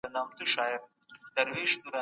دا ښه چلند دئ.